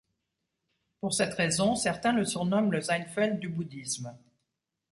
Pour cette raison, certains le surnomment le Seinfeld du bouddhisme.